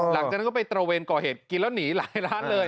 หลังจากนั้นก็ไปตระเวนก่อเหตุกินแล้วหนีหลายร้านเลย